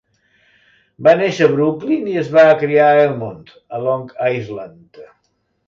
Va néixer a Brooklyn i es va criar a Elmont, a Long Island.